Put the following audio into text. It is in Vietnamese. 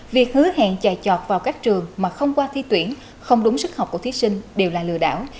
việc hứa hẹn chạy trọt vào các trường mà không qua thi tuyển không đúng sức học của thí sinh đều là lừa đảo